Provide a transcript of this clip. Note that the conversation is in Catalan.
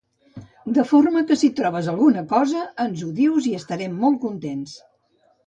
De forma que si trobes alguna cosa, ens ho dius i estarem molt contentes.